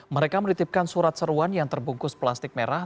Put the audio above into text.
mereka menitipkan surat seruan yang terbungkus plastik merah